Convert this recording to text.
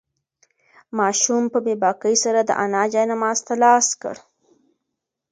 ماشوم په بې باکۍ سره د انا جاینماز ته لاس کړ.